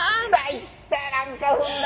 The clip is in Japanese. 痛っ痛っなんか踏んだ。